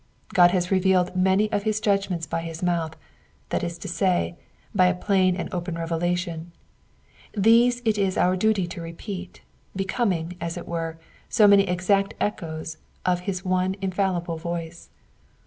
God has revealed many of his judg ments by his mouth, that is to say, by a plain and open revelation ; these it is out duty to repeat, becoming, as it .were, so many exact echoes of his one infallible voice.